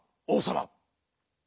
おうさま」。